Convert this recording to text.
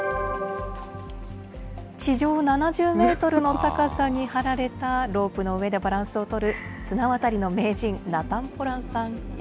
地上７０メートルの高さに張られたロープの上でバランスを取る、綱渡りの名人、ナタン・ポランさん。